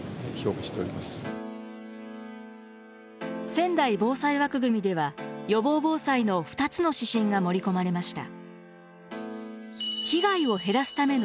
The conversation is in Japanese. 仙台防災枠組では予防防災の２つの指針が盛り込まれました。